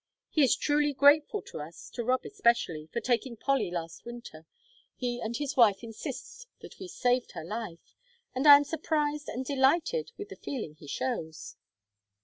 He is truly grateful to us to Rob especially for taking Polly last winter; he and his wife insist that we saved her life, and I am surprised and delighted with the feeling he shows."